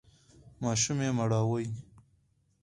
ماشوم یې مړوئ!